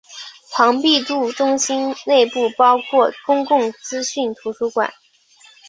庞毕度中心内部包括公共资讯图书馆。